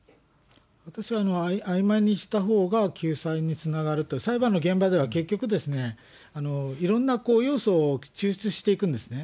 私はあいまいにしたほうが、救済につながると、裁判の現場では結局、いろんな要素を抽出していくんですね。